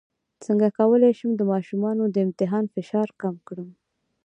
څنګه کولی شم د ماشومانو د امتحان فشار کم کړم